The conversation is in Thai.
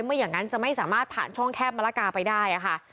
ไม่อย่างนั้นจะไม่สามารถผ่านช่องแคบมะละกาไปได้ค่ะ